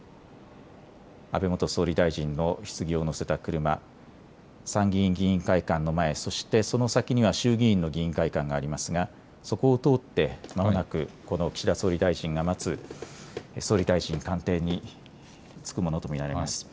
安倍元総理大臣のひつぎを乗せた車、参議院議員会館の前、そしてその先には衆議院の議員会館がありますがそこを通ってまもなく岸田総理大臣が待つ総理大臣官邸に着くものと見られます。